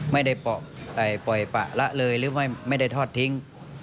ไม่ได้ปล่อยปะละเลยหรือไม่ได้ทอดทิ้ง